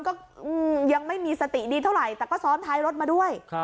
ก็ยังไม่มีสติดีเท่าไหร่แต่ก็ซ้อนท้ายรถมาด้วย